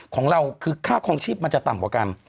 ของเราคือค่าคลองชีพมันจะต่ำกว่ากัน